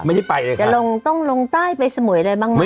ไม่ได้ไปเลยครับจะลงต้องลงใต้ไปสมุยอะไรบ้างไหม